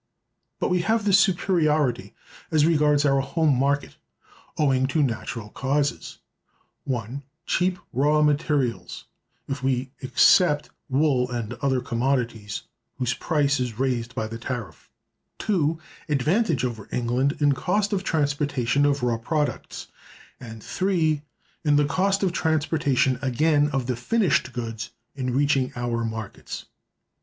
But we have this superiority, as regards our home market, owing to natural causes: (1) cheap raw materials (if we except wool and other commodities whose price is raised by the tariff); (2) advantage over England in cost of transportation of raw products; and (3) in the cost of transportation, again, of the finished goods in reaching our markets.